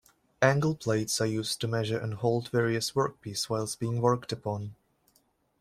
Angle plates are used to measure and hold various workpiece whilst being worked upon.